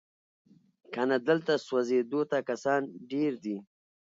کنه دلته سوځېدو ته کسان ډیر دي